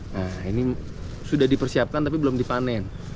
nah ini sudah dipersiapkan tapi belum dipanen